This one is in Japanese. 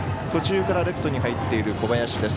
途中からレフトに入っている小林。